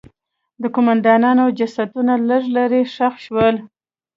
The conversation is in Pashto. د قوماندانانو جسدونه لږ لرې ښخ شول.